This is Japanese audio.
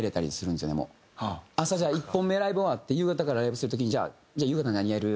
朝じゃあ１本目ライブ終わって夕方からライブする時にじゃあ夕方何やる？